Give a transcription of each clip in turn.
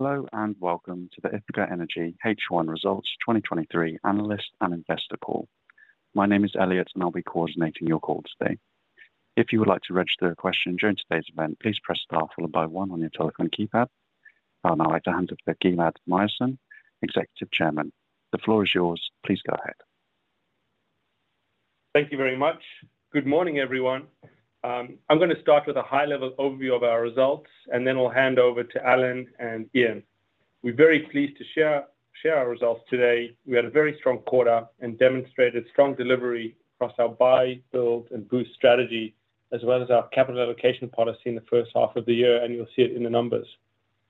Hello, and welcome to the Ithaca Energy H1 Results 2023 Analyst and Investor Call. My name is Elliot, and I'll be coordinating your call today. If you would like to register a question during today's event, please press star followed by one on your telephone keypad. I'd now like to hand over to Gilad Myerson, Executive Chairman. The floor is yours. Please go ahead. Thank you very much. Good morning, everyone. I'm gonna start with a high-level overview of our results. Then I'll hand over to Alan and Ian. We're very pleased to share our results today. We had a very strong quarter and demonstrated strong delivery across our buy, build, and boost strategy, as well as our capital allocation policy in the first half of the year. You'll see it in the numbers.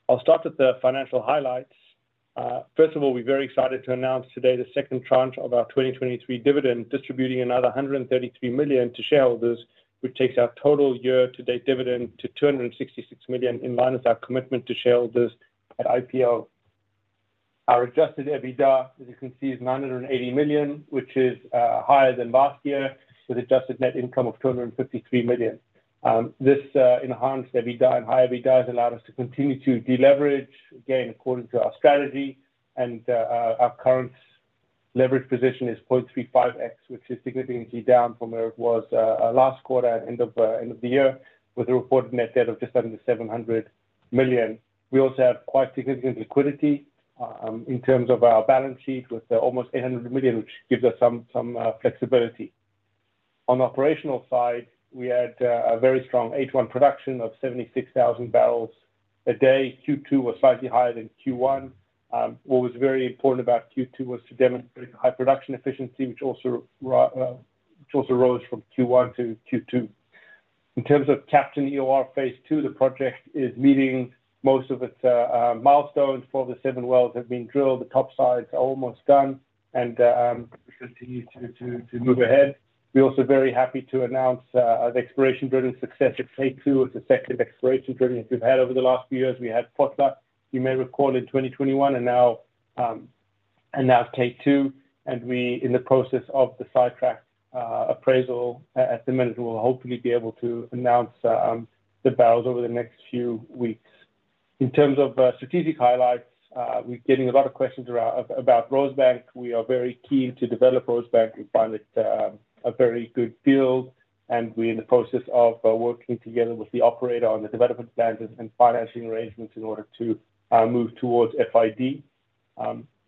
I'll start with the financial highlights. First of all, we're very excited to announce today the second tranche of our 2023 dividend, distributing another 133 million to shareholders, which takes our total year-to-date dividend to 266 million, in line with our commitment to shareholders at IPO. Our adjusted EBITDA, as you can see, is 980 million, which is higher than last year, with adjusted net income of 253 million. This enhanced EBITDA and high EBITDA has allowed us to continue to deleverage, again, according to our strategy, and our, our current leverage position is 0.35x, which is significantly down from where it was last quarter at end of the year, with a reported net debt of just under 700 million. We also have quite significant liquidity, in terms of our balance sheet, with almost 800 million, which gives us some, some flexibility. On the operational side, we had a very strong H1 production of 76,000 barrels a day. Q2 was slightly higher than Q1. What was very important about Q2 was to demonstrate high production efficiency, which also rose from Q1 to Q2. In terms of Captain EOR Phase 2, the project is meeting most of its milestones, for the 7 wells have been drilled. The top side is almost done. We continue to move ahead. We're also very happy to announce the exploration drilling success at K2. It's the second exploration drilling that we've had over the last few years. We had Fotla, you may recall, in 2021, and now K2, and we in the process of the sidetrack appraisal. At the minute, we'll hopefully be able to announce the barrels over the next few weeks. In terms of strategic highlights, we're getting a lot of questions about Rosebank. We are very keen to develop Rosebank. We find it a very good field, and we're in the process of working together with the operator on the development plans and financing arrangements in order to move towards FID.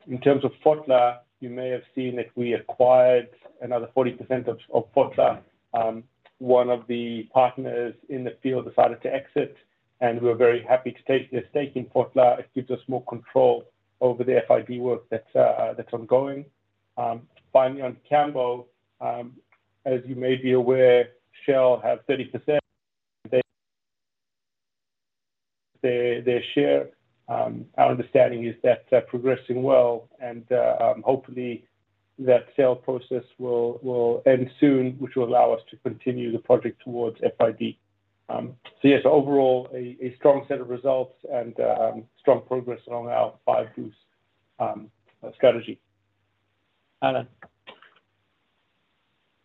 In terms of Fotla, you may have seen that we acquired another 40% of Fotla. One of the partners in the field decided to exit, and we're very happy to take their stake in Fotla. It gives us more control over the FID work that's that's ongoing. Finally, on Cambo, as you may be aware, Shell have 30%. They, they share. Our understanding is that's progressing well, and hopefully, that sale process will end soon, which will allow us to continue the project towards FID. Yes, overall, a strong set of results and strong progress along our buy, build strategy. Alan?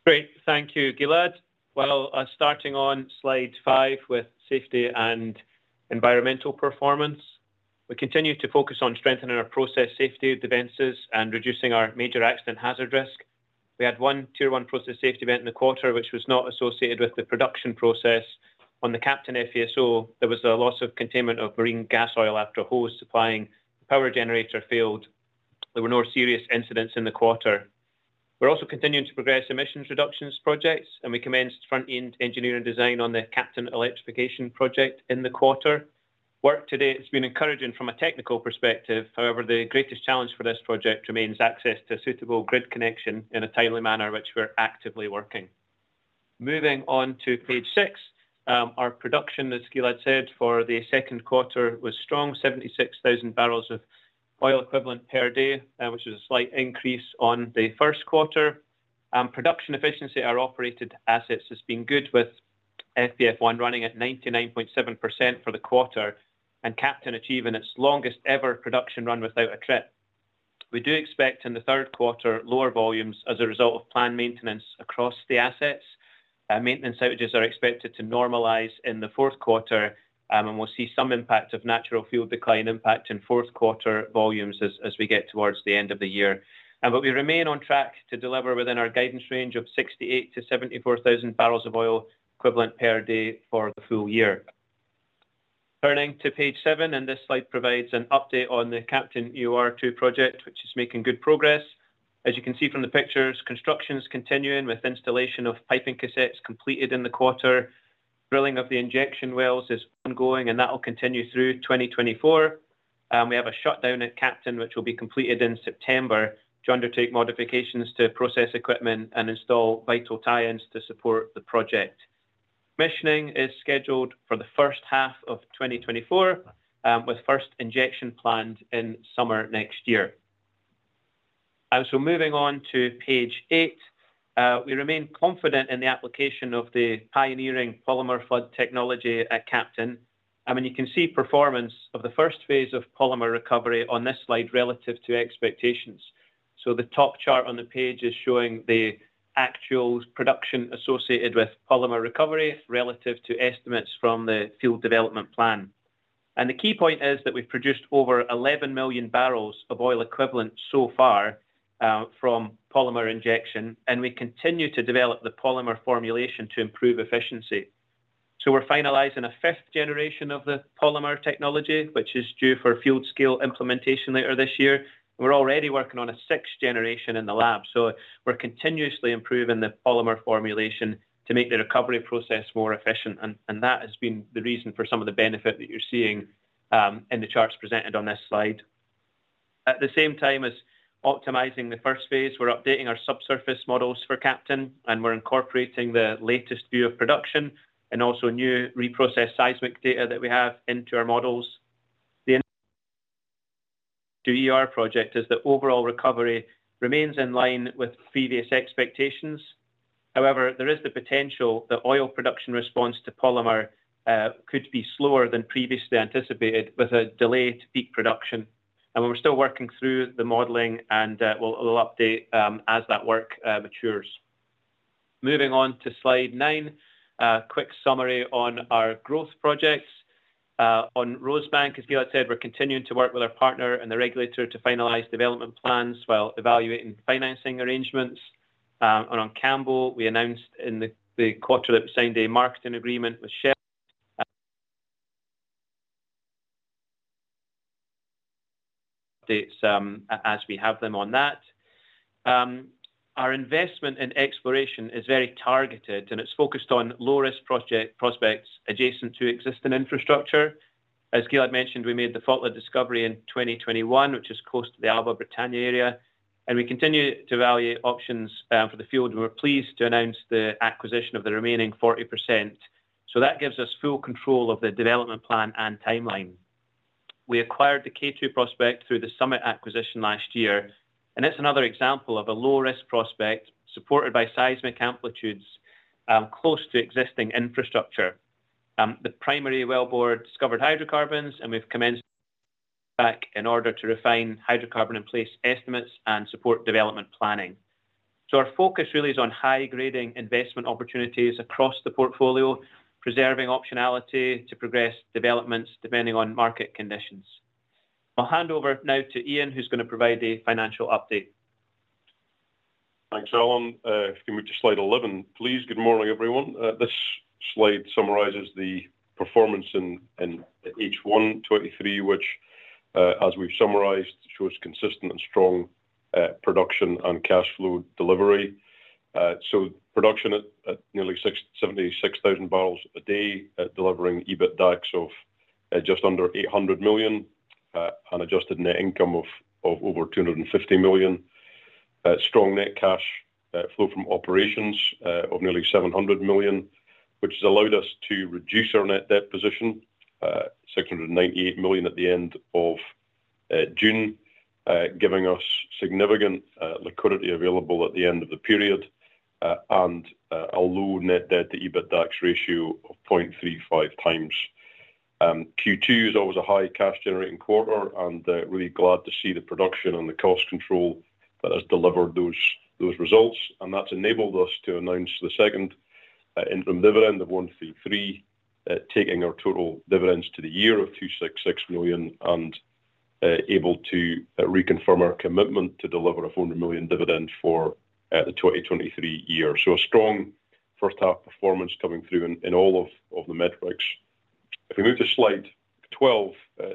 Great. Thank you, Gilad. Well, starting on slide five with safety and environmental performance. We continue to focus on strengthening our process safety defenses and reducing our major accident hazard risk. We had 1 Tier 1 process safety event in the quarter, which was not associated with the production process. On the Captain FPSO, there was a loss of containment of marine gas oil after a hose supplying power generator failed. There were no serious incidents in the quarter. We're also continuing to progress emissions reductions projects, and we commenced front-end engineering design on the Captain Electrification project in the quarter. Work to date has been encouraging from a technical perspective. However, the greatest challenge for this project remains access to a suitable grid connection in a timely manner, which we're actively working. Moving on to page six, our production, as Gilad said, for the second quarter was strong, 76,000 barrels of oil equivalent per day, which is a slight increase on the first quarter. Production efficiency at our operated assets has been good, with FPF-1 running at 99.7% for the quarter and Captain achieving its longest-ever production run without a trip. We do expect in the third quarter, lower volumes as a result of planned maintenance across the assets. Maintenance outages are expected to normalize in the fourth quarter. We'll see some impact of natural field decline impact in fourth quarter volumes as, as we get towards the end of the year. We remain on track to deliver within our guidance range of 68,000-74,000 barrels of oil equivalent per day for the full year. Turning to page seven, this slide provides an update on the Captain EOR-2 project, which is making good progress. As you can see from the pictures, construction is continuing, with installation of piping cassettes completed in the quarter. Drilling of the injection wells is ongoing, that will continue through 2024. We have a shutdown at Captain, which will be completed in September, to undertake modifications to process equipment and install vital tie-ins to support the project. Commissioning is scheduled for the first half of 2024, with first injection planned in summer next year. Moving on to page 8, we remain confident in the application of the pioneering polymer flood technology at Captain. I mean, you can see performance of the first phase of polymer recovery on this slide relative to expectations.... The top chart on the page is showing the actual production associated with polymer recovery relative to estimates from the field development plan. The key point is that we've produced over 11 million barrels of oil equivalent so far from polymer injection, and we continue to develop the polymer formulation to improve efficiency. We're finalizing a 5th generation of the polymer technology, which is due for field scale implementation later this year. We're already working on a 6th generation in the lab, so we're continuously improving the polymer formulation to make the recovery process more efficient, and that has been the reason for some of the benefit that you're seeing in the charts presented on this slide. At the same time as optimizing the first phase, we're updating our subsurface models for Captain, and we're incorporating the latest view of production and also new reprocessed seismic data that we have into our models. The EOR project is that overall recovery remains in line with previous expectations. However, there is the potential that oil production response to polymer could be slower than previously anticipated, with a delay to peak production. We're still working through the modeling, and we'll, we'll update as that work matures. Moving on to slide 9, a quick summary on our growth projects. On Rosebank, as Gilad said, we're continuing to work with our partner and the regulator to finalize development plans while evaluating financing arrangements. On Cambo, we announced in the, the quarter at the same-day marketing agreement with Shell. As we have them on that. Our investment in exploration is very targeted, and it's focused on low-risk project, prospects adjacent to existing infrastructure. As Gilad had mentioned, we made the Fotla discovery in 2021, which is close to the Alba Britannia area, and we continue to evaluate options for the field. We were pleased to announce the acquisition of the remaining 40%. That gives us full control of the development plan and timeline. We acquired the K2 prospect through the Summit acquisition last year, and it's another example of a low-risk prospect, supported by seismic amplitudes, close to existing infrastructure. The primary wellbore discovered hydrocarbons, and we've commenced back in order to refine hydrocarbon in place estimates and support development planning. Our focus really is on high-grading investment opportunities across the portfolio, preserving optionality to progress developments depending on market conditions. I'll hand over now to Ian, who's going to provide a financial update. Thanks, Alan. Can we move to slide 11, please? Good morning, everyone. This slide summarizes the performance in H1 2023, which, as we've summarized, shows consistent and strong production and cash flow delivery. Production at nearly 76,000 barrels a day, delivering EBITDAX of just under 800 million, and adjusted net income of over 250 million. Strong net cash flow from operations of nearly 700 million, which has allowed us to reduce our net debt position, 698 million at the end of June, giving us significant liquidity available at the end of the period, and a low net debt to EBITDAX ratio of 0.35 times. Q2 is always a high cash-generating quarter, really glad to see the production and the cost control that has delivered those results, that's enabled us to announce the second interim dividend of 133, taking our total dividends to the year of 266 million, able to reconfirm our commitment to deliver a 400 million dividend for the 2023 year. A strong first half performance coming through in all of the metrics. If we move to slide 12,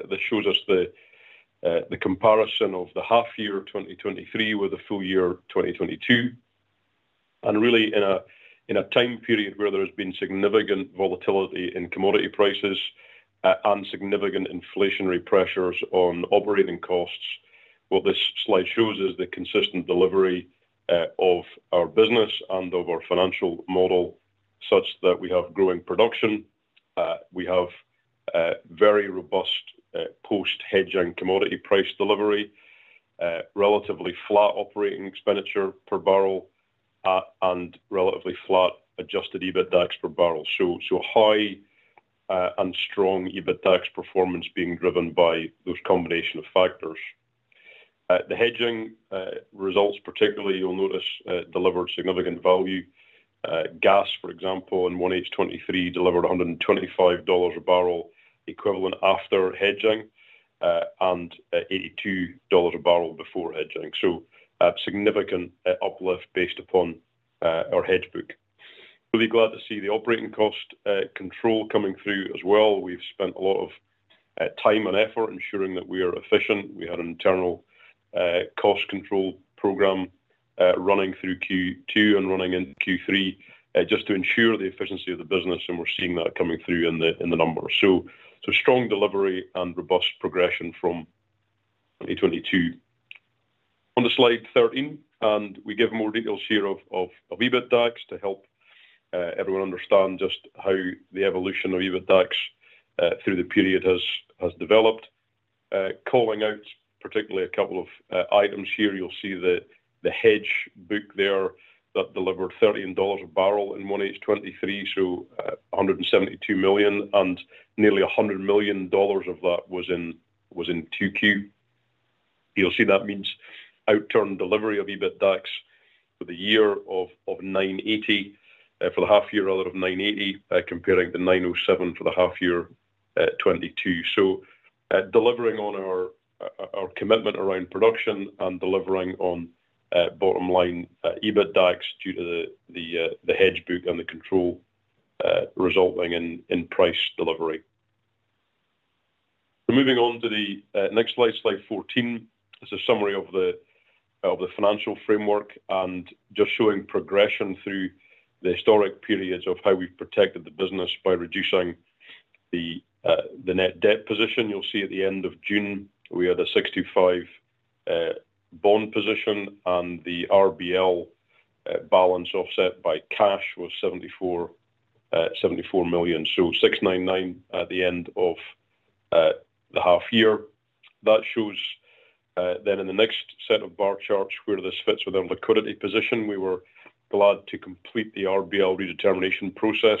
this shows us the comparison of the half year of 2023 with the full year of 2022, really in a time period where there has been significant volatility in commodity prices, and significant inflationary pressures on operating costs. What this slide shows is the consistent delivery of our business and of our financial model, such that we have growing production. We have a very robust post-hedging commodity price delivery, relatively flat operating expenditure per barrel, and relatively flat adjusted EBITDAX per barrel. High and strong EBITDAX performance being driven by those combination of factors. The hedging results, particularly, you'll notice, delivered significant value. Gas, for example, in H1 2023, delivered $125 a barrel equivalent after hedging, and $82 a barrel before hedging. A significant uplift based upon our hedge book. Really glad to see the operating cost control coming through as well. We've spent a lot of time and effort ensuring that we are efficient. We had an internal cost control program running through Q2 and running into Q3, just to ensure the efficiency of the business, and we're seeing that coming through in the numbers. Strong delivery and robust progression from 2022. On to slide 13. We give more details here of, of, of EBITDAX to help everyone understand just how the evolution of EBITDAX through the period has developed. Calling out, particularly a couple of items here. You'll see the hedge book there that delivered $13 a barrel in H1 2023. So $172 million, and nearly $100 million of that was in, was in 2Q. You'll see that means outturn delivery of EBITDAX for the year of 980 million, for the half year rather of 980 million, comparing the 907 million for the half year 2022. Delivering on our commitment around production and delivering on bottom line EBITDAX due to the hedge book and the control, resulting in price delivery. Moving on to the next slide, slide 14, is a summary of the financial framework and just showing progression through the historic periods of how we've protected the business by reducing the net debt position. You'll see at the end of June, we had a 65 million bond position, and the RBL balance offset by cash was 74 million. $699 at the end of the half year. That shows in the next set of bar charts, where this fits with our liquidity position. We were glad to complete the RBL redetermination process.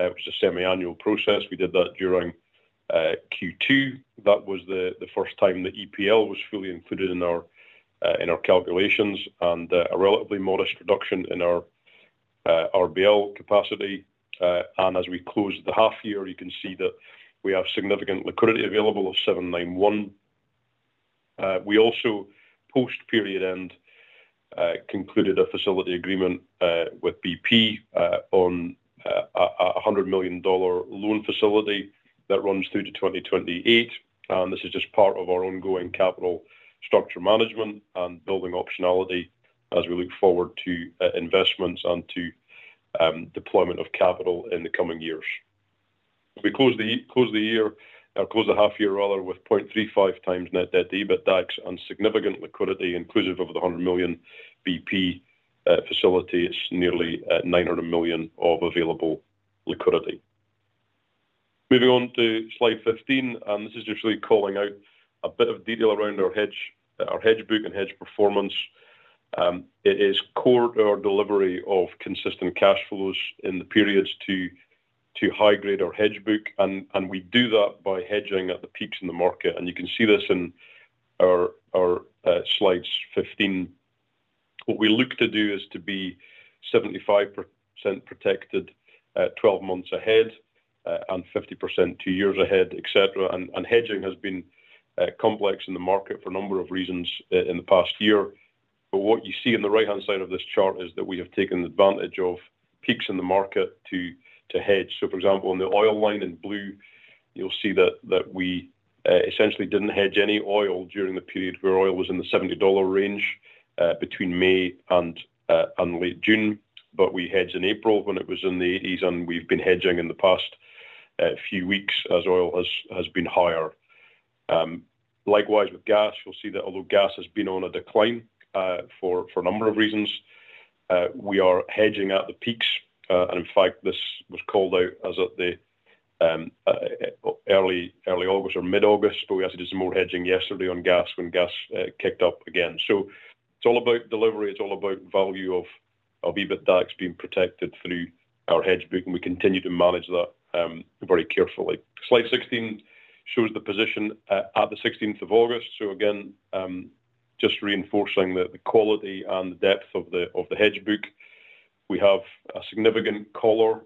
It was a semi-annual process. We did that during Q2. That was the first time that EPL was fully included in our calculations, and a relatively modest reduction in our RBL capacity. As we close the half year, you can see that we have significant liquidity available of $791. We also, post-period end, concluded a facility agreement with BP on a $100 million loan facility that runs through to 2028. This is just part of our ongoing capital structure management and building optionality as we look forward to investments and to deployment of capital in the coming years. We close the half year rather, with 0.35 times net debt to EBITDAX and significant liquidity, inclusive of the 100 million BP facility. It's nearly at 900 million of available liquidity. Moving on to slide 15, this is just really calling out a bit of detail around our hedge book and hedge performance. It is core to our delivery of consistent cash flows in the periods to high-grade our hedge book, and we do that by hedging at the peaks in the market. You can see this in our slides 15. What we look to do is to be 75% protected at 12 months ahead, and 50% 2 years ahead, et cetera. Hedging has been complex in the market for a number of reasons in the past year. What you see in the right-hand side of this chart is that we have taken advantage of peaks in the market to, to hedge. For example, in the oil line in blue, you'll see that we essentially didn't hedge any oil during the period where oil was in the $70 range, between May and late June. We hedged in April when it was in the $80s, and we've been hedging in the past few weeks as oil has, has been higher. Likewise, with gas, you'll see that although gas has been on a decline, for, for a number of reasons, we are hedging at the peaks. In fact, this was called out as at the, early, early August or mid-August, but we actually did some more hedging yesterday on gas when gas kicked up again. It's all about delivery, it's all about value of, of EBITDAX being protected through our hedge book, and we continue to manage that very carefully. Slide 16 shows the position at, at the 16th of August. Again, just reinforcing the, the quality and the depth of the, of the hedge book. We have a significant color,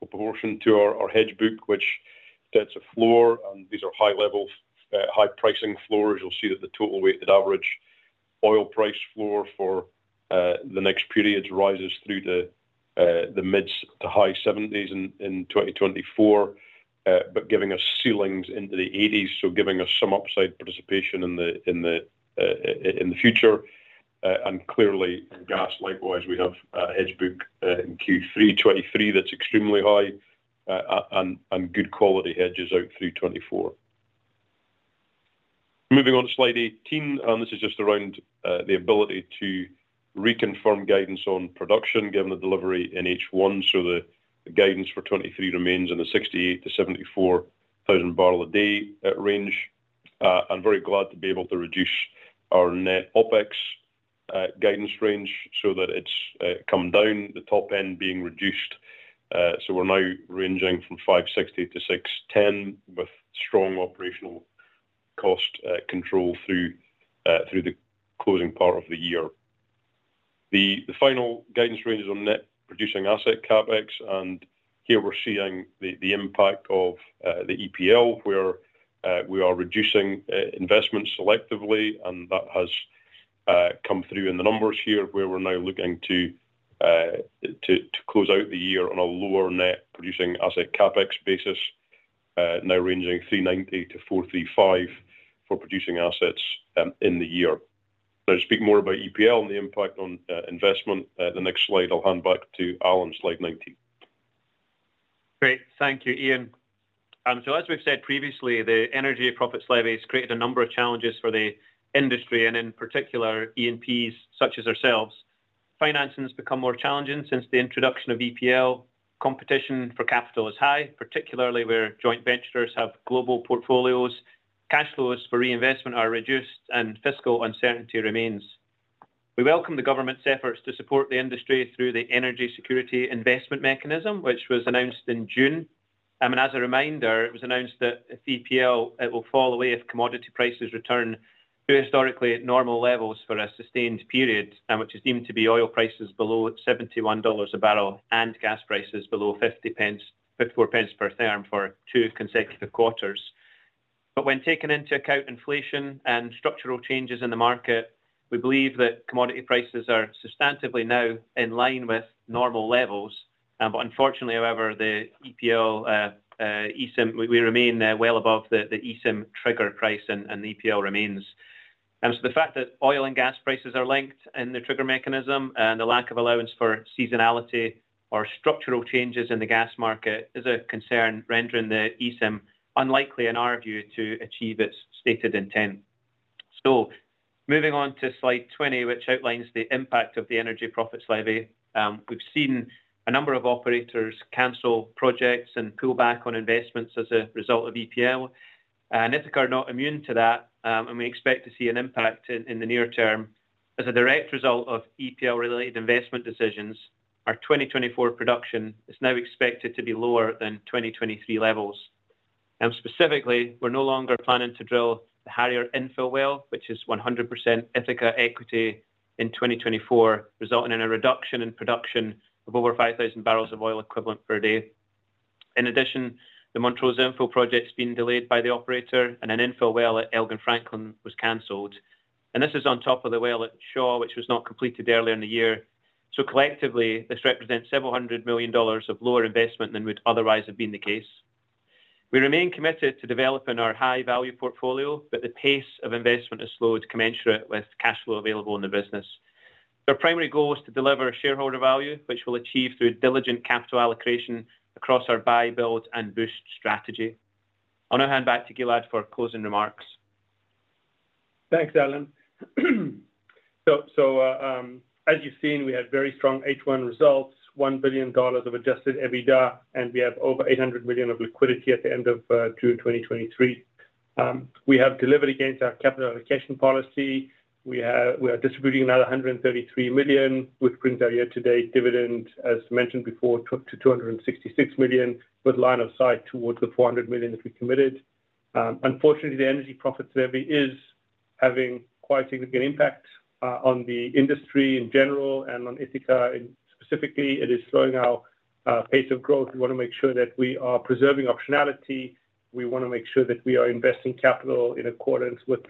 proportion to our, our hedge book, which sets a floor, and these are high-level, high pricing floors. You'll see that the total weighted average oil price floor for the next periods rises through to the mid to high $70s in 2024, but giving us ceilings into the $80s, so giving us some upside participation in the future. And clearly in gas, likewise, we have a hedge book in Q3 2023 that's extremely high and good quality hedges out through 2024. Moving on to slide 18, and this is just around the ability to reconfirm guidance on production, given the delivery in H1. So the guidance for 2023 remains in the 68,000-74,000 barrel a day range. I'm very glad to be able to reduce our net OpEx guidance range so that it's come down, the top end being reduced. We're now ranging from 560-610 million, with strong operational cost control through the closing part of the year. The final guidance range is on net producing asset CapEx, and here we're seeing the impact of the EPL, where we are reducing investment selectively, and that has come through in the numbers here, where we're now looking to close out the year on a lower net producing asset CapEx basis, now ranging 390-435 million for producing assets in the year. To speak more about EPL and the impact on investment, the next slide, I'll hand back to Alan, slide 19. Great. Thank you, Ian. As we've said previously, the Energy Profits Levy has created a number of challenges for the industry and in particular, E&Ps such as ourselves. Financing has become more challenging since the introduction of EPL. Competition for capital is high, particularly where joint venturers have global portfolios. Cash flows for reinvestment are reduced, fiscal uncertainty remains. We welcome the government's efforts to support the industry through the Energy Security Investment Mechanism, which was announced in June. As a reminder, it was announced that the EPL, it will fall away if commodity prices return to historically normal levels for a sustained period, which is deemed to be oil prices below $71 a barrel and gas prices below 50 pence, 54 pence per therm for two consecutive quarters. When taking into account inflation and structural changes in the market, we believe that commodity prices are substantively now in line with normal levels. Unfortunately, however, the EPL, ESIM, we remain well above the ESIM trigger price, and the EPL remains. The fact that oil and gas prices are linked in the trigger mechanism and the lack of allowance for seasonality or structural changes in the gas market is a concern rendering the ESIM unlikely, in our view, to achieve its stated intent. Moving on to slide 20, which outlines the impact of the Energy Profits Levy. We've seen a number of operators cancel projects and pull back on investments as a result of EPL, and Ithaca are not immune to that, and we expect to see an impact in the near term. As a direct result of EPL-related investment decisions, our 2024 production is now expected to be lower than 2023 levels. Specifically, we're no longer planning to drill the Harrier infill well, which is 100% Ithaca equity in 2024, resulting in a reduction in production of over 5,000 barrels of oil equivalent per day. In addition, the Montrose infill project's been delayed by the operator, and an infill well at Elgin-Franklin was canceled, and this is on top of the well at Shaw, which was not completed earlier in the year. Collectively, this represents $several hundred million of lower investment than would otherwise have been the case. We remain committed to developing our high-value portfolio, but the pace of investment has slowed commensurate with cash flow available in the business. Their primary goal is to deliver shareholder value, which we'll achieve through diligent capital allocation across our buy, build, and boost strategy. I'll now hand back to Gilad for closing remarks. Thanks, Alan. As you've seen, we had very strong H1 results, $1 billion of adjusted EBITDA. We have over $800 million of liquidity at the end of June 2023. We have delivered against our capital allocation policy. We are, we are distributing another $133 million, which brings our year-to-date dividend, as mentioned before, to $266 million, with line of sight towards the $400 million that we committed. Unfortunately, the Energy Profits Levy is having quite a significant impact on the industry in general and on Ithaca. Specifically, it is slowing our pace of growth. We want to make sure that we are preserving optionality. We want to make sure that we are investing capital in accordance with,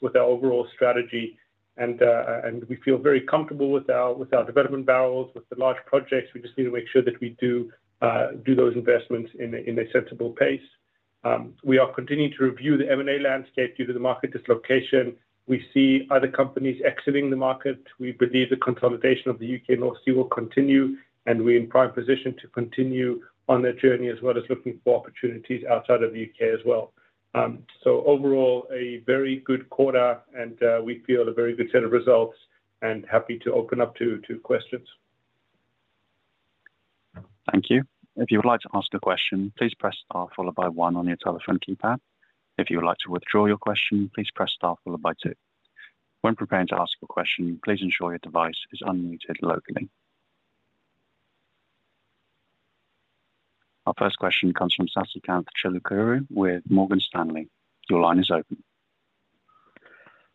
with our overall strategy, and we feel very comfortable with our, with our development barrels, with the large projects. We just need to make sure that we do those investments in a, in a sensible pace. We are continuing to review the M&A landscape due to the market dislocation. We see other companies exiting the market. We believe the consolidation of the UK North Sea will continue, and we're in prime position to continue on that journey, as well as looking for opportunities outside of the UK as well. Overall, a very good quarter, and we feel a very good set of results and happy to open up to, to questions. Thank you. If you would like to ask a question, please press star followed by one on your telephone keypad. If you would like to withdraw your question, please press star followed by two. When preparing to ask a question, please ensure your device is unmuted locally. Our first question comes from Sasikanth Chilukuru with Morgan Stanley. Your line is open.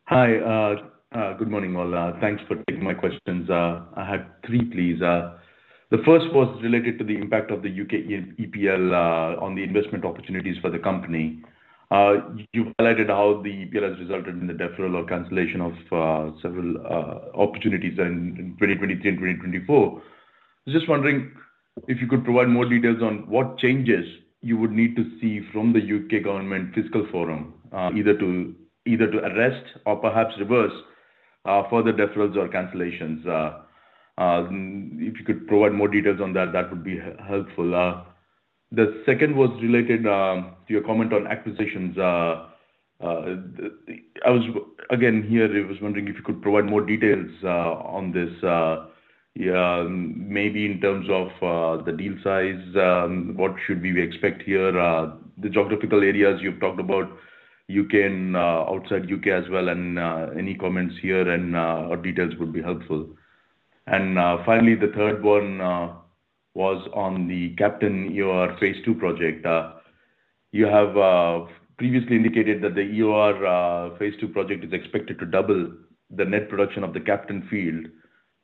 Hi, good morning, all. Thanks for taking my questions. I had three, please. The first was related to the impact of the UK EPL on the investment opportunities for the company. You highlighted how the EPL has resulted in the deferral or cancellation of several opportunities in 2023 and 2024. I was just wondering if you could provide more details on what changes you would need to see from the UK Government Fiscal Forum, either to, either to arrest or perhaps reverse further deferrals or cancellations. If you could provide more details on that, that would be helpful. The second was related to your comment on acquisitions. I was... Again, here, I was wondering if you could provide more details on this, maybe in terms of the deal size, what should we expect here? The geographical areas you've talked about, UK and outside UK as well, and any comments here or details would be helpful. Finally, the third one was on the Captain EOR Phase II project. You have previously indicated that the EOR Phase II project is expected to double the net production of the Captain field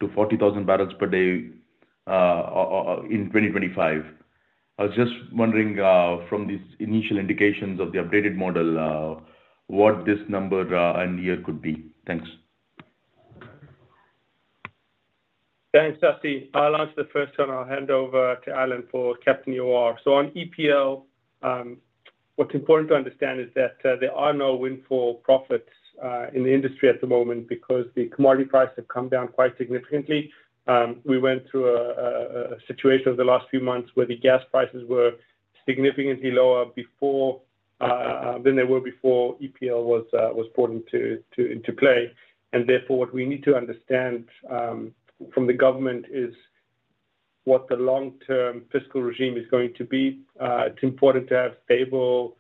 to 40,000 barrels per day in 2025. I was just wondering, from these initial indications of the updated model, what this number and year could be? Thanks. Thanks, Sasikanth. I'll answer the first one. I'll hand over to Alan for Captain EOR. On EPL, what's important to understand is that there are no windfall profits in the industry at the moment because the commodity prices have come down quite significantly. We went through a, a, a situation over the last few months where the gas prices were significantly lower before than they were before EPL was brought into, to, into play. Therefore, what we need to understand from the government what the long-term fiscal regime is going to be. It's important to have stable,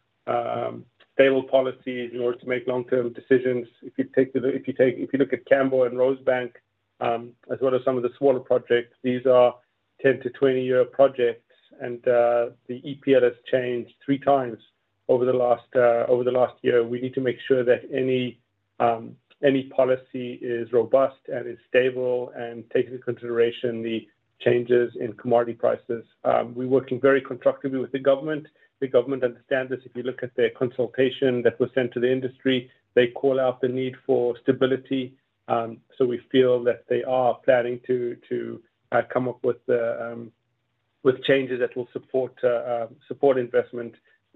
stable policies in order to make long-term decisions. If you take the, if you look at Cambo and Rosebank, as well as some of the smaller projects, these are 10-20-year projects. The EPL has changed 3 times over the last year. We need to make sure that any, any policy is robust and is stable and takes into consideration the changes in commodity prices. We're working very constructively with the government. The government understands this. If you look at their consultation that was sent to the industry, they call out the need for stability. We feel that they are planning to come up with the changes that will support investment.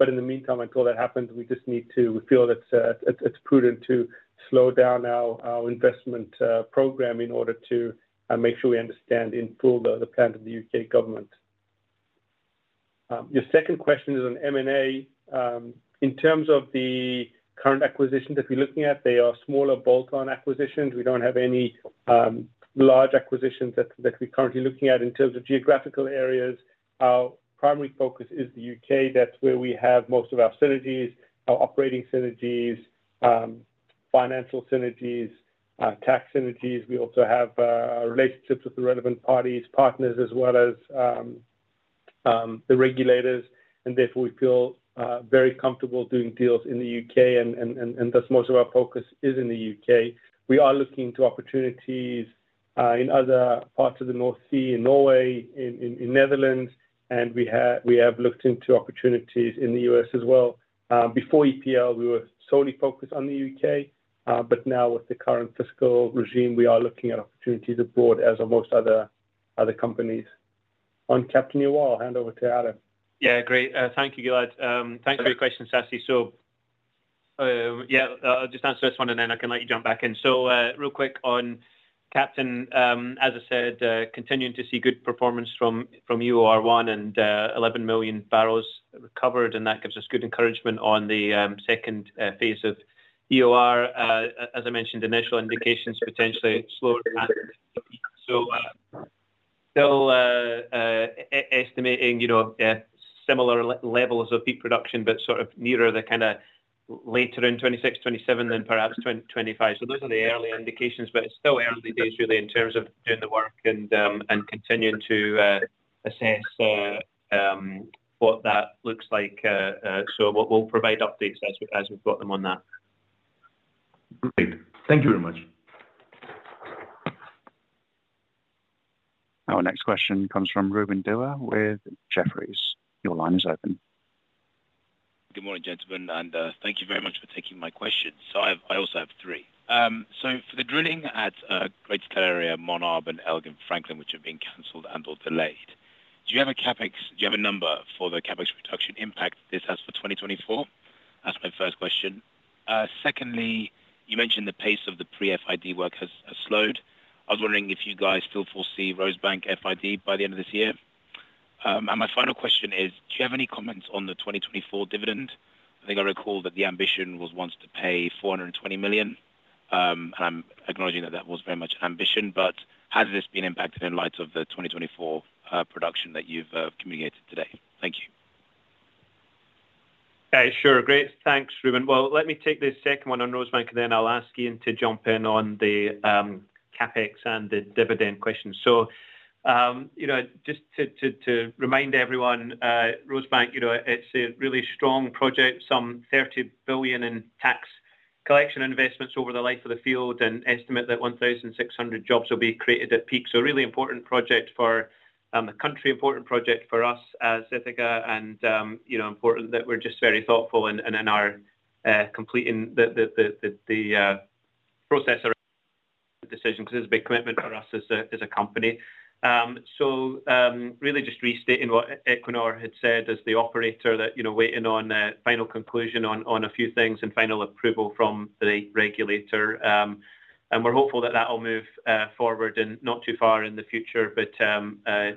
In the meantime, until that happens, we just need to feel it's, it's prudent to slow down our, our investment program in order to make sure we understand in full the, the plans of the UK government. Your second question is on M&A. In terms of the current acquisitions that we're looking at, they are smaller bolt-on acquisitions. We don't have any large acquisitions that, that we're currently looking at. In terms of geographical areas, our primary focus is the UK. That's where we have most of our synergies, our operating synergies, financial synergies, tax synergies. We also have relationships with the relevant parties, partners, as well as the regulators, and therefore, we feel very comfortable doing deals in the UK, and, and, and thus, most of our focus is in the UK. We are looking to opportunities in other parts of the North Sea, in Norway, in Netherlands. We have, we have looked into opportunities in the U.S. as well. Before EPL, we were solely focused on the UK, but now with the current fiscal regime, we are looking at opportunities abroad, as are most other, other companies. On Captain, you will hand over to Alan. Yeah, great. Thank you, Gilad. Thank you for your question, Sassy. Yeah, I'll just answer this one, and then I can let you jump back in. Real quick on Captain, as I said, continuing to see good performance from EOR 1 and 11 million barrels recovered, and that gives us good encouragement on the second phase of EOR. As I mentioned, initial indications potentially slower. Still estimating, you know, similar levels of peak production, but sort of nearer the kind of later in 2026-2027 than perhaps 2025. Those are the early indications, but it's still early days, really, in terms of doing the work and continuing to assess what that looks like, so we'll, we'll provide updates as we, as we've got them on that. Great. Thank you very much. Our next question comes from Reuben Dewar with Jefferies. Your line is open. Good morning, gentlemen, and thank you very much for taking my question. I have-- I also have three. For the drilling at Greater Stella Area, MonArb, and Elgin-Franklin, which have been canceled and/or delayed, do you have a CapEx? Do you have a number for the CapEx reduction impact this has for 2024? That's my first question. Secondly, you mentioned the pace of the pre-FID work has, has slowed. I was wondering if you guys still foresee Rosebank FID by the end of this year. My final question is, do you have any comments on the 2024 dividend? I think I recall that the ambition was once to pay 420 million, and I'm acknowledging that that was very much an ambition, but has this been impacted in light of the 2024 production that you've communicated today? Thank you. Sure. Great. Thanks, Reuben. Well, let me take this second one on Rosebank, and then I'll ask Ian to jump in on the CapEx and the dividend question. You know, just to, to, to remind everyone, Rosebank, you know, it's a really strong project, some 30 billion in tax collection investments over the life of the field, and estimate that 1,600 jobs will be created at peak. A really important project for the country, important project for us as Ithaca and, you know, important that we're just very thoughtful and, and in our completing the process or decision, because it's a big commitment for us as a company. Really just restating what Equinor had said as the operator, that, you know, waiting on a final conclusion on, on a few things and final approval from the regulator. We're hopeful that that will move forward and not too far in the future, but,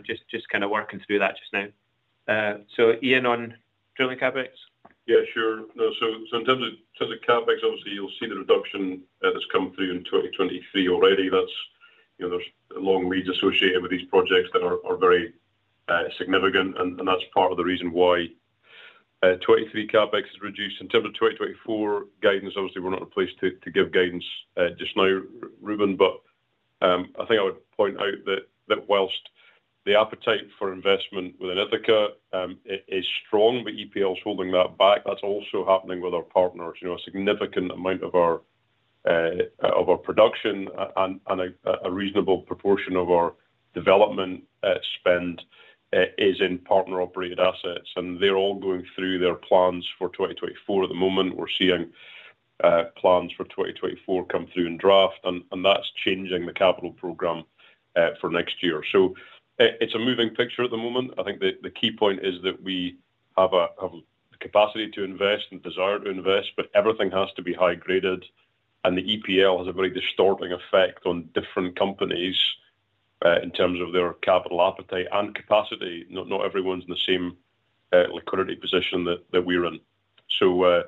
just, just kind of working through that just now. Ian, on drilling CapEx? Yeah, sure. In terms of, in terms of CapEx, obviously, you'll see the reduction that's come through in 2023 already. That's, you know, there's long leads associated with these projects that are very significant, and that's part of the reason why 2023 CapEx is reduced. In terms of 2024 guidance, obviously, we're not in a place to give guidance just now, Reuben, but I think I would point out that, that whilst the appetite for investment within Ithaca is strong, but EPL is holding that back. That's also happening with our partners. You know, a significant amount of our of our production and a reasonable proportion of our development spend is in partner-operated assets, and they're all going through their plans for 2024. At the moment, we're seeing plans for 2024 come through in draft, and that's changing the capital program for next year. It's a moving picture at the moment. I think the key point is that we have the capacity to invest and desire to invest, but everything has to be high-graded, and the EPL has a very distorting effect on different companies in terms of their capital appetite and capacity. Not, not everyone's in the same liquidity position that, that we're in. Not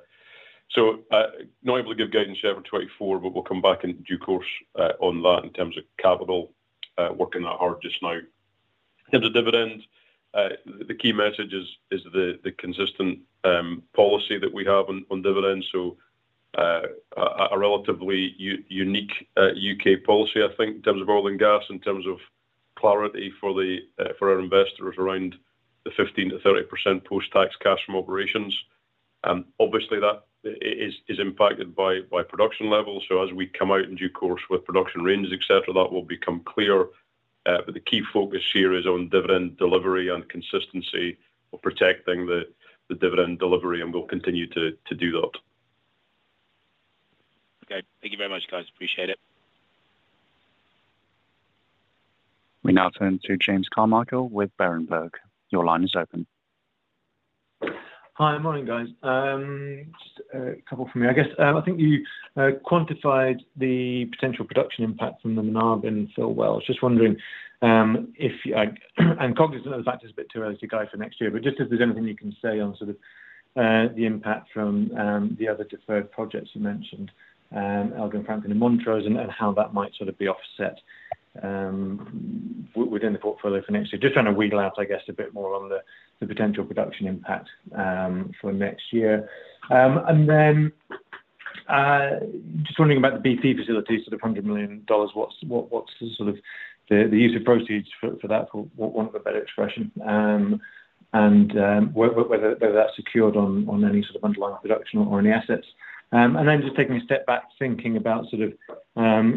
able to give guidance yet for 2024, but we'll come back in due course on that in terms of capital, working that hard just now. In the dividend, the key message is, is the consistent policy that we have on, on dividends. A relatively unique UK policy, I think, in terms of oil and gas, in terms of clarity for our investors around the 15%-30% post-tax cash from operations. Obviously, that is impacted by, by production levels, so as we come out in due course with production ranges, et cetera, that will become clear. The key focus here is on dividend delivery and consistency of protecting the, the dividend delivery, and we'll continue to, to do that. Okay. Thank you very much, guys. Appreciate it. We now turn to James Carmichael with Berenberg. Your line is open. Hi. Morning, guys. Just a couple from me. I guess, I think you quantified the potential production impact from the MonArb and Phil wells. Just wondering, if you, like, I'm cognizant of the fact it's a bit too early to go for next year, but just if there's anything you can say on sort of, the impact from, the other deferred projects you mentioned, Elgin-Franklin and Montrose, and how that might sort of be offset within the portfolio for next year. Just trying to wiggle out, I guess, a bit more on the, the potential production impact for next year. Then, just wondering about the BP facilities, so the $100 million. What's, what, what's the sort of the, the use of proceeds for, for that, for want of a better expression, whether, whether that's secured on, on any sort of underlying production or any assets. Then just taking a step back, thinking about sort of,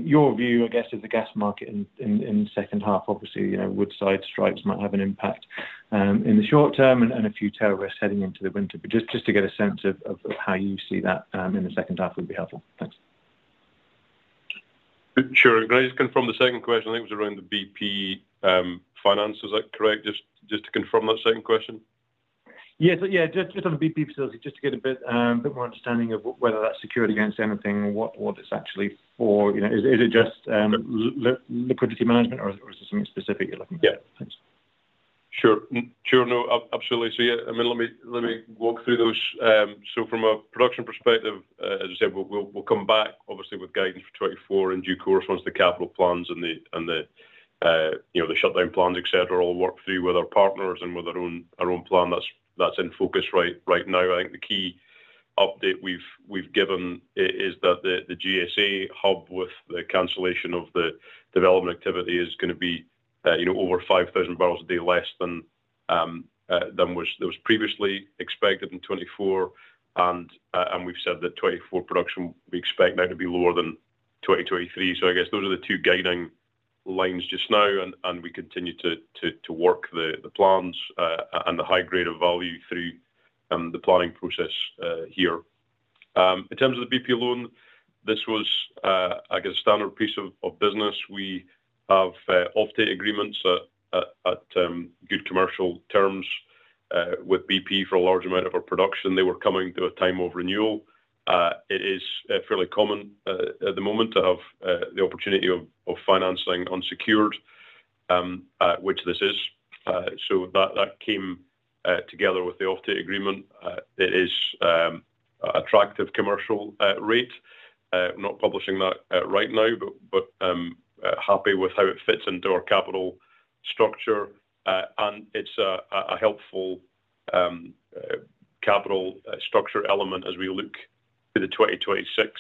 your view, I guess, of the gas market in, in the second half. Obviously, you know, Woodside strikes might have an impact, in the short term and, and a few tail risks heading into the winter. Just, just to get a sense of, of how you see that, in the second half would be helpful. Thanks. Sure. Can I just confirm the second question, I think, was around the BP finance, is that correct? Just to confirm that second question. Yes. Yeah, just on the BP facility, just to get a bit, bit more understanding of whether that's secured against anything or what, what it's actually for. You know, is, is it just liquidity management or, or is there something specific you're looking for? Yeah. Thanks. Sure. Sure. No, absolutely. So, yeah, I mean, let me, let me walk through those. So from a production perspective, as you said, we'll, we'll come back obviously with guidance for 2024 in due course, once the capital plans and the, and the, you know, the shutdown plans, et cetera, all worked through with our partners and with our own, our own plan. That's, that's in focus right, right now. I think the key update we've, we've given is that the, the GSA hub, with the cancellation of the development activity, is gonna be, you know, over 5,000 barrels a day, less than, than was previously expected in 2024. And we've said that 2024 production, we expect now to be lower than 2023. I guess those are the two guiding lines just now, and we continue to work the plans and the high grade of value through the planning process here. In terms of the BP loan, this was, I guess, standard piece of business. We have offtake agreements at good commercial terms with BP for a large amount of our production. They were coming to a time of renewal. It is fairly common at the moment to have the opportunity of financing unsecured, which this is. That came together with the offtake agreement. It is attractive commercial rate. Not publishing that right now, but happy with how it fits into our capital structure, and it's a helpful capital structure element as we look to the 2026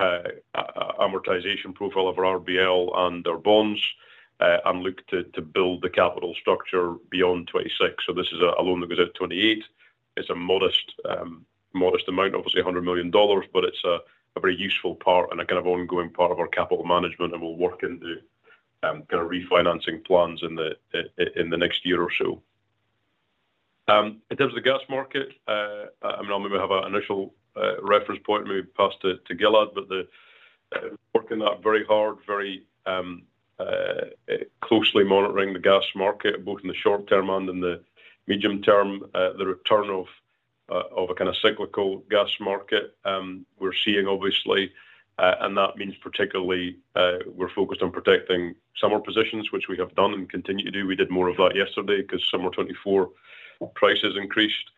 amortization profile of our RBL and our bonds, and look to build the capital structure beyond 2026. This is a loan that goes out 2028. It's a modest, modest amount, obviously $100 million, but it's a very useful part and a kind of ongoing part of our capital management, and we'll work into kind of refinancing plans in the next year or so. In terms of the gas market, I mean, I'm going to have an initial reference point maybe passed to Gilad, but the working that very hard, very, closely monitoring the gas market, both in the short term and in the medium term. The return of a kind of cyclical gas market, we're seeing, obviously, and that means particularly, we're focused on protecting summer positions, which we have done and continue to do. We did more of that yesterday because summer 2024 prices increased.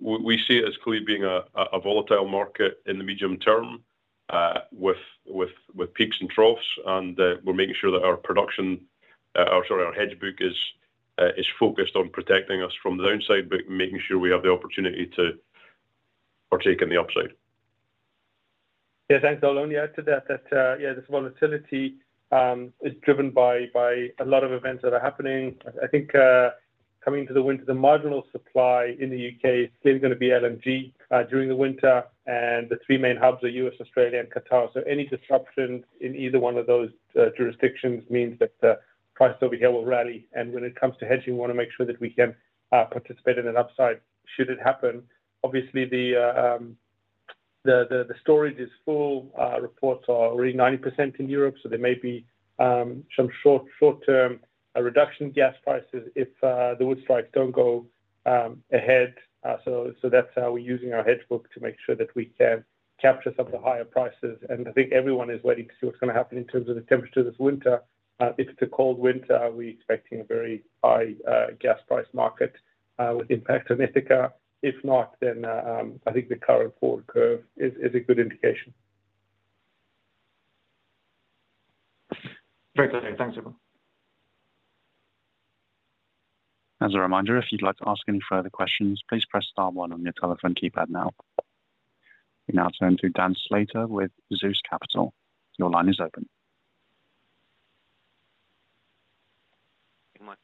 We see it as clearly being a, a volatile market in the medium term, with, with, with peaks and troughs, and, we're making sure that our production, or sorry, our hedge book is, is focused on protecting us from the downside, but making sure we have the opportunity to partake in the upside. Yeah, thanks. I'll only add to that, that yeah, this volatility is driven by a lot of events that are happening. I think, coming to the winter, the marginal supply in the U.K. is still going to be LNG, during the winter, the three main hubs are U.S., Australia, and Qatar. Any disruption in either one of those jurisdictions means that the prices over here will rally. When it comes to hedging, we want to make sure that we can participate in an upside, should it happen. Obviously, the, the, the, the storage is full. Reports are already 90% in Europe. There may be some short, short-term reduction in gas prices if the Wood strikes don't go ahead. That's how we're using our hedge book to make sure that we can capture some of the higher prices. I think everyone is waiting to see what's going to happen in terms of the temperature this winter. If it's a cold winter, we're expecting a very high, gas price market, with impact on Ithaca. If not, then, I think the current forward curve is, is a good indication. Very clear. Thanks, everyone. As a reminder, if you'd like to ask any further questions, please press star one on your telephone keypad now. We now turn to Daniel Slater with Zeus Capital. Your line is open. Good morning.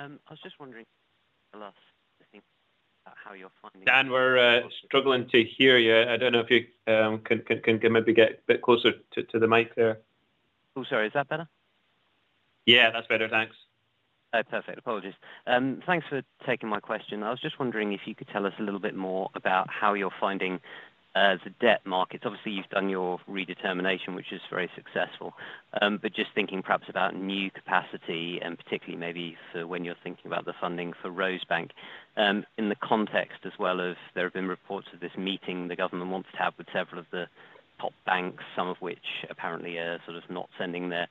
I was just wondering the last thing about how you're finding- Dan, we're struggling to hear you. I don't know if you can maybe get a bit closer to the mic there. Oh, sorry. Is that better? Yeah, that's better. Thanks. Oh, perfect. Apologies. Thanks for taking my question. I was just wondering if you could tell us a little bit more about how you're finding the debt markets. Obviously, you've done your redetermination, which is very successful. Just thinking perhaps about new capacity, and particularly maybe for when you're thinking about the funding for Rosebank. In the context as well as there have been reports of this meeting the government wants to have with several of the top banks, some of which apparently are sort of not sending their,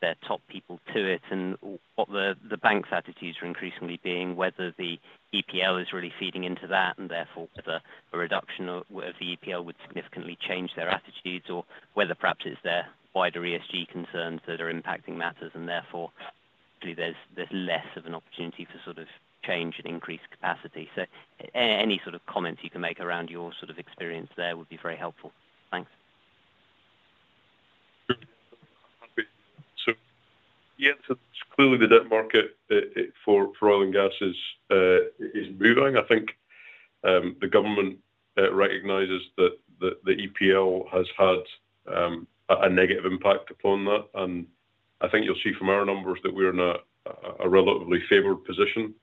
their top people to it, and what the banks' attitudes are increasingly being, whether the EPL is really feeding into that, and therefore, whether a reduction of the EPL would significantly change their attitudes or whether perhaps it's their wider ESG concerns that are impacting matters, and therefore, there's less of an opportunity for sort of change and increased capacity. Any sort of comments you can make around your sort of experience there would be very helpful. Thanks. Sure. Yes, clearly, the debt market, for, for oil and gas is, is moving. I think, the government recognizes that the, the EPL has had a negative impact upon that, and I think you'll see from our numbers that we're in a relatively favored position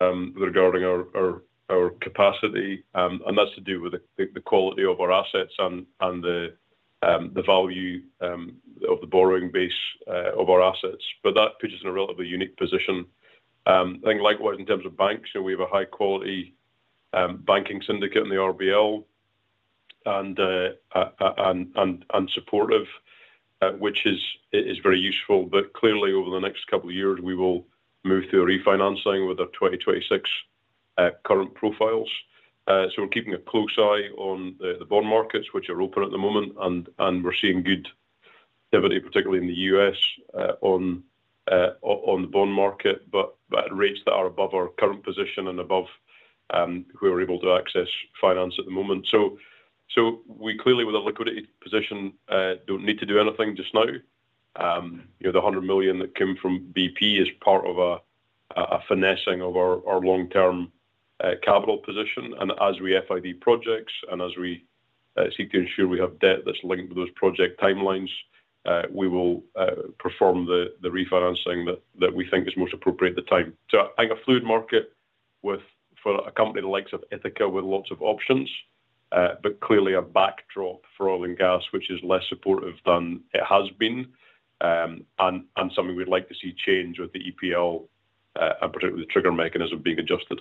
regarding our, our, our capacity. And that's to do with the quality of our assets and the value of the borrowing base of our assets. That puts us in a relatively unique position. I think likewise, in terms of banks, so we have a high-quality banking syndicate in the RBL, and, and, and supportive, which is very useful. Clearly, over the next couple of years, we will move to a refinancing with our 2026 current profiles. We're keeping a close eye on the bond markets, which are open at the moment, and we're seeing good activity, particularly in the US, on the bond market, but at rates that are above our current position and above we were able to access finance at the moment. You know, the 100 million that came from BP is part of a finessing of our long-term capital position, and as we FID projects and as we seek to ensure we have debt that's linked to those project timelines, we will perform the refinancing that we think is most appropriate at the time. I think a fluid market with for a company the likes of Ithaca, with lots of options, but clearly a backdrop for oil and gas, which is less supportive than it has been, and, and something we'd like to see change with the EPL, and particularly the trigger mechanism being adjusted.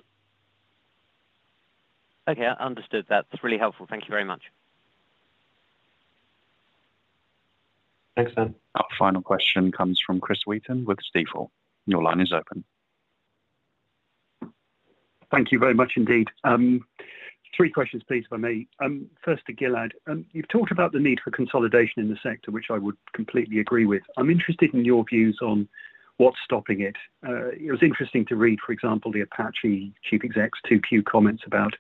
Okay, I understood that. It's really helpful. Thank you very much. Thanks, Dan. Our final question comes from Chris Wheaton with Stifel. Your line is open. Thank you very much indeed. Three questions, please, for me. First to Gilad. You've talked about the need for consolidation in the sector, which I would completely agree with. I'm interested in your views on what's stopping it. It was interesting to read, for example, the Apache Chief Executive's 2Q comments about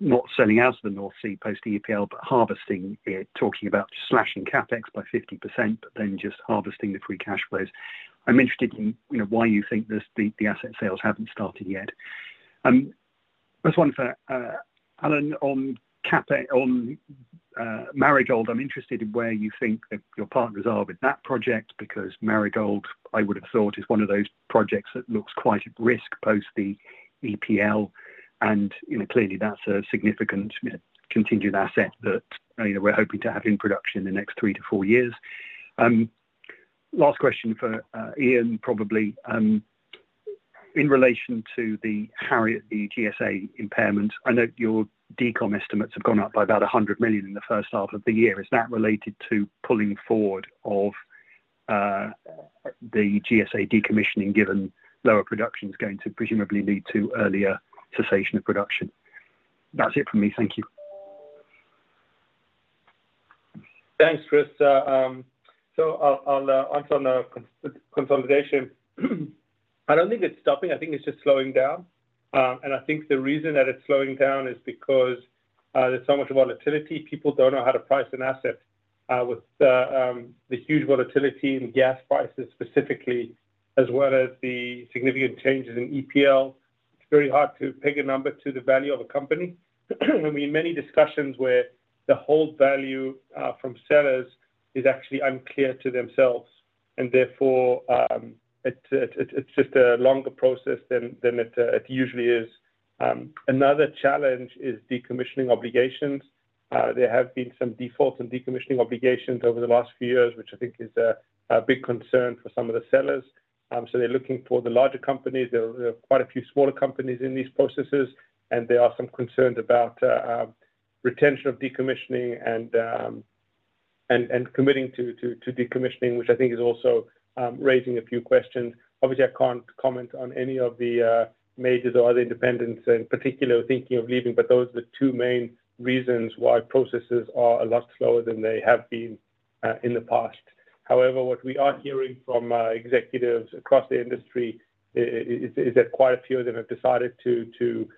not selling out to the North Sea post EPL, but harvesting it, talking about slashing CapEx by 50%, but then just harvesting the free cash flows. I'm interested in, you know, why you think this, the, the asset sales haven't started yet. First one for Alan, on CapEx on Marigold. I'm interested in where you think that your partners are with that project, because Marigold, I would have thought, is one of those projects that looks quite at risk post the EPL, and, you know, clearly that's a significant contingent asset that, you know, we're hoping to have in production in the next 3-4 years. Last question for Ian, probably, in relation to the Harrier, the GSA impairment. I know your decom estimates have gone up by about 100 million in the first half of the year. Is that related to pulling forward of the GSA decommissioning, given lower production is going to presumably lead to earlier cessation of production? That's it for me. Thank you. Thanks, Chris. I'll, I'll answer on the consolidation. I don't think it's stopping. I think it's just slowing down. I think the reason that it's slowing down is because there's so much volatility. People don't know how to price an asset with the huge volatility in gas prices specifically, as well as the significant changes in EPL. It's very hard to peg a number to the value of a company. We're in many discussions where the whole value from sellers is actually unclear to themselves, and therefore, it's, it, it's just a longer process than, than it usually is. Another challenge is decommissioning obligations. There have been some defaults in decommissioning obligations over the last few years, which I think is a big concern for some of the sellers. They're looking toward the larger companies. There are quite a few smaller companies in these processes, there are some concerns about retention of decommissioning and committing to decommissioning, which I think is also raising a few questions. Obviously, I can't comment on any of the majors or other independents, in particular, thinking of leaving, those are the two main reasons why processes are a lot slower than they have been in the past. What we are hearing from executives across the industry is that quite a few of them have decided to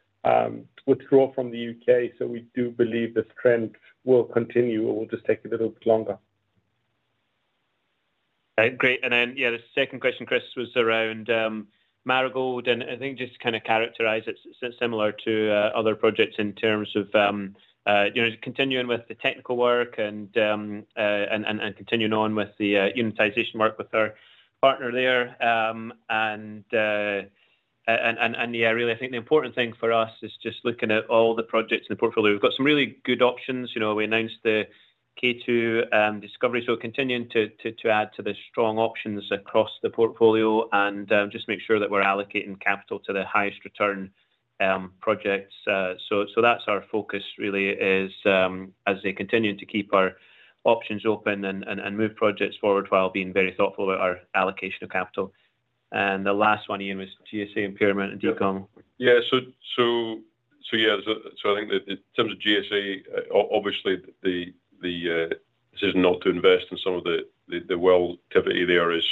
withdraw from the UK, we do believe this trend will continue, or will just take a little bit longer. Right. Great. Then, yeah, the second question, Chris, was around Marigold, and I think just to kind of characterize it, similar to other projects in terms of, you know, continuing with the technical work and continuing on with the unitization work with our partner there. Yeah, really, I think the important thing for us is just looking at all the projects in the portfolio. We've got some really good options. You know, we announced the K2 discovery, we're continuing to add to the strong options across the portfolio and just make sure that we're allocating capital to the highest return projects. That's our focus really is, as we continue to keep our options open and, and, and move projects forward while being very thoughtful about our allocation of capital. The last one, Ian, was GSA impairment and decom. Yeah. I think that in terms of GSA, obviously, the decision not to invest in some of the well activity there is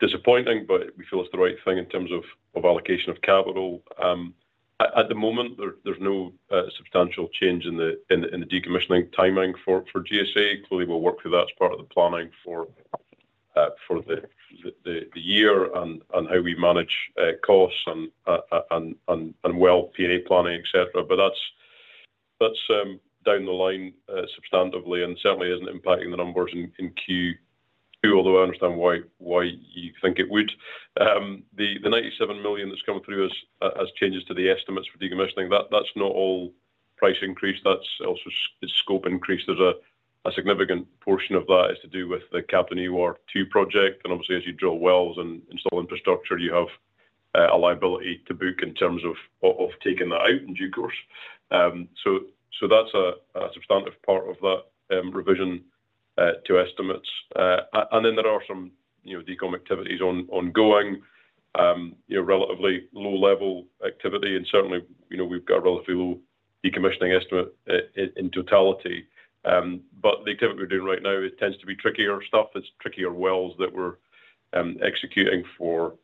disappointing, but we feel it's the right thing in terms of allocation of capital. At the moment, there's no substantial change in the decommissioning timing for GSA. Clearly, we'll work through that as part of the planning for the year and how we manage costs and well P&A planning, et cetera. That's down the line substantively and certainly isn't impacting the numbers in Q2, although I understand why you think it would. The 97 million that's coming through as changes to the estimates for decommissioning, that, that's not all price increase, that's also scope increase. There's a significant portion of that is to do with the Captain EOR Phase II project, and obviously, as you drill wells and install infrastructure, you have a liability to book in terms of, of, of taking that out in due course. That's a substantive part of that revision to estimates. There are some, you know, decom activities on ongoing, you know, relatively low level activity, and certainly, you know, we've got a relatively low decommissioning estimate in, in, in totality. The activity we're doing right now, it tends to be trickier stuff. It's trickier wells that we're executing for,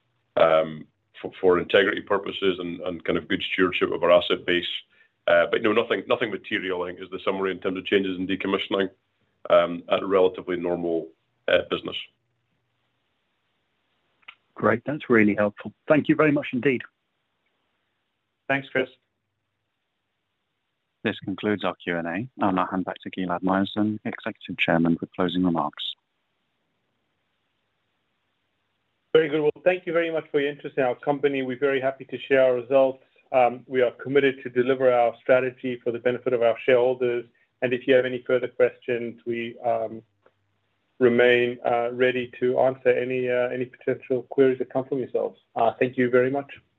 for integrity purposes and, and kind of good stewardship of our asset base. No, nothing, nothing material, I think, is the summary in terms of changes in decommissioning, at a relatively normal business. Great. That's really helpful. Thank you very much indeed. Thanks, Chris. This concludes our Q&A. I'll now hand back to Gilad Myerson, Executive Chairman, for closing remarks. Very good. Well, thank you very much for your interest in our company. We're very happy to share our results. We are committed to deliver our strategy for the benefit of our shareholders, and if you have any further questions, we remain ready to answer any potential queries that come from yourselves. Thank you very much.